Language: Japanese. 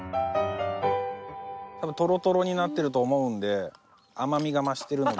多分トロトロになってると思うので甘みが増してるので。